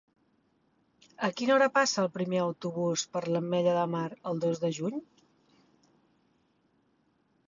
A quina hora passa el primer autobús per l'Ametlla de Mar el dos de juny?